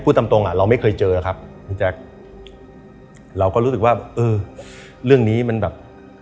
พูดตามตรงเราไม่เคยเจอนะครับแล้วเราก็รู้สึกว่าเออเรื่องนี้มันแบบ